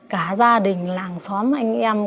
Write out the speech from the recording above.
cả gia đình làng xóm anh em